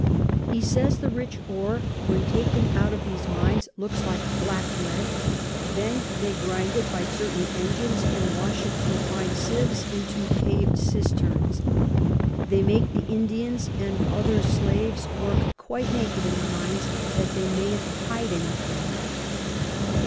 He says the rich Oar when taken out of these Mines looks like Black Lead, then they grind it by certain Engines, and wash it thro fine Sieves into pav'd Cisterns. They make the Indians and other Slaves work quite naked in the Mines, that they mayn't hide any thing.